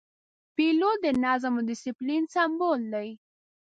پیلوټ د نظم او دسپلین سمبول دی.